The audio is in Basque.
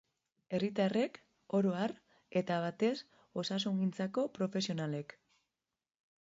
Herritarrek oro har, eta batez osasungintzako profesionalek.